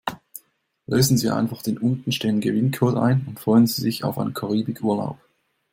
Lösen Sie einfach den unten stehenden Gewinncode ein und freuen Sie sich auf einen Karibikurlaub.